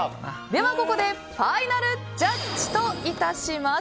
ここでファイナルジャッジといたします。